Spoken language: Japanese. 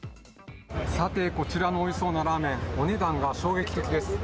さて、こちらのおいしそうなラーメン、お値段が衝撃的です。